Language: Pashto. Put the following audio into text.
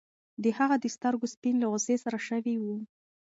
د هغه د سترګو سپین له غوسې سره شوي وو.